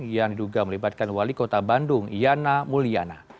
yang diduga melibatkan wali kota bandung yana mulyana